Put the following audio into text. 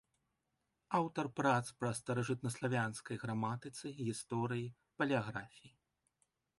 Аўтар прац па старажытнаславянскай граматыцы, гісторыі, палеаграфіі.